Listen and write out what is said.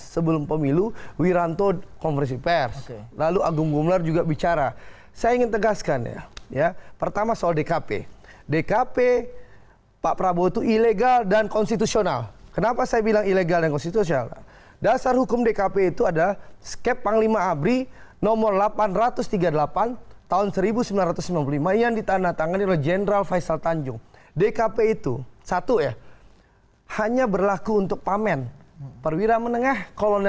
sebelumnya bd sosial diramaikan oleh video anggota dewan pertimbangan presiden general agung gemelar yang menulis cuitan bersambung menanggup